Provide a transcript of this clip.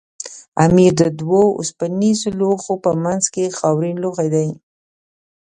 امیر د دوو اوسپنیزو لوښو په منځ کې خاورین لوښی دی.